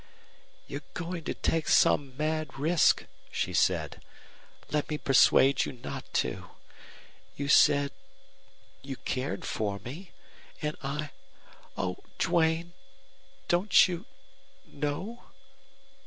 "You're going to take some mad risk," she said. "Let me persuade you not to. You said you cared for me and I oh, Duane don't you know